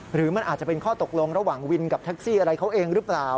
หรือมันอาจจะเป็นข้อตกลงระหว่างวินกับแท็กซี่อะไรเขาเองหรือเปล่า